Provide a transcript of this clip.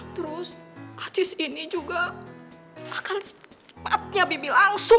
terus atis ini juga akan sempatnya bibi langsung